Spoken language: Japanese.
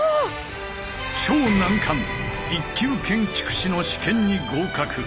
超難関１級建築士の試験に合格。